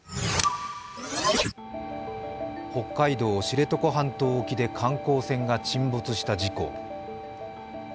北海道知床半島沖で観光船が沈没した事故。